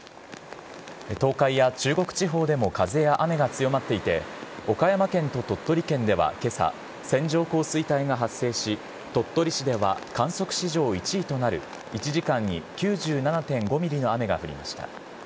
東海や中国地方でも風や雨が強まっていて、岡山県と鳥取県ではけさ、線状降水帯が発生し、鳥取市では観測史上１位となる１時間に９７．５ミリの雨が降りました。